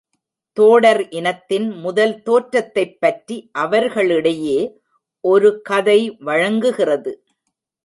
தோடர் இனத்தின் முதல் தோற்றத்தைப்பற்றி அவர்களிடையே ஒரு கதை வழங்குகிறது.